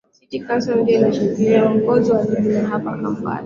city council ndio inashikilia uongozi wa hii ligi ya hapa kampala